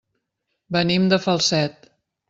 Venim de Falset.